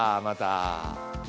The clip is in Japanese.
また。